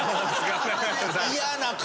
嫌な顔。